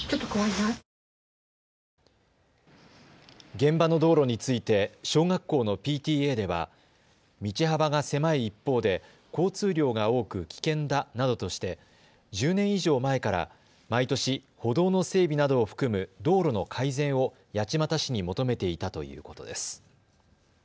現場の道路について小学校のＰＴＡでは道幅が狭い一方で交通量が多く危険だなどとして１０年以上前から毎年、歩道の整備などを含む道路の改善を八街市に求めていたということです。